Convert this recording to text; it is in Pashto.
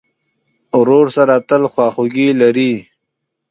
ورور سره تل خواخوږی لرې.